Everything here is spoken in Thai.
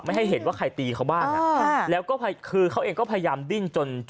ให้เห็นว่าใครตีเขาบ้างอ่ะค่ะแล้วก็คือเขาเองก็พยายามดิ้นจน